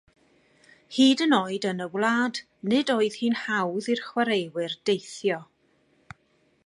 Hyd yn oed yn y wlad, nid oedd hi'n hawdd i'r chwaraewyr deithio.